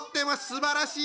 すばらしい。